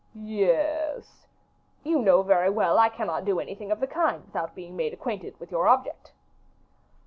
"Yes." "You know very well that I cannot do anything of the kind, without being made acquainted with your object."